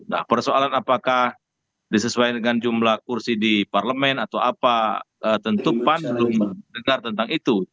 nah persoalan apakah disesuaikan dengan jumlah kursi di parlemen atau apa tentu pan belum dengar tentang itu